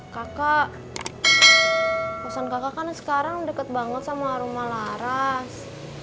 kakak pesan kakak kan sekarang deket banget sama rumah laras